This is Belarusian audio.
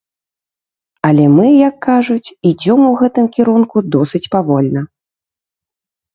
Але мы, як кажуць, ідзём у гэтым кірунку досыць павольна.